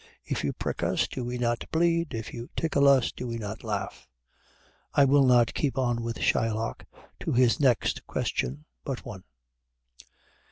If you prick us, do we not bleed? If you tickle us, do we not laugh? I will not keep on with Shylock to his next question but one.